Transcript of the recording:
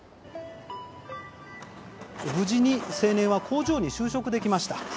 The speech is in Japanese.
無事に、青年は工場に就職できました。